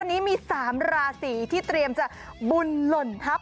วันนี้มี๓ราศีที่เตรียมจะบุญหล่นทัพ